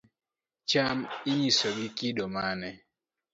Cham inyiso gi kido mane